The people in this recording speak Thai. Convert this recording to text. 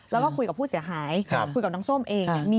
แล้วก็คุยกับผู้เสียหายคุยกับน้องส้มเอง